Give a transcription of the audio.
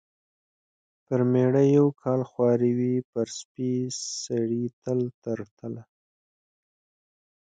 پر مېړه یو کال خواري وي، پر سپي سړي تل تر تله.